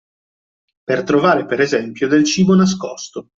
Per trovare per esempio del cibo nascosto.